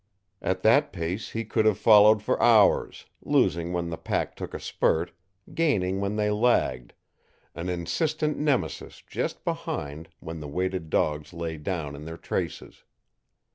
At that pace he could have followed for hours, losing when the pack took a spurt, gaining when they lagged, an insistent Nemesis just behind when the weighted dogs lay down in their traces.